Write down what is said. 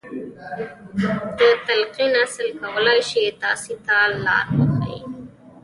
د تلقين اصل کولای شي تاسې ته لار وښيي.